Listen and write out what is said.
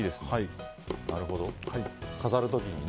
飾る時にね。